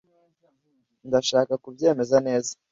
Ndashaka ku byemeza neza